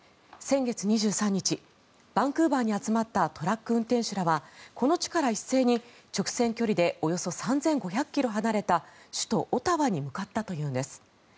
先月２３日、バンクーバーに集まったトラック運転手らはこの地から一斉に直線距離でおよそ３５００ｋｍ離れた首都オタワに向かったというんです。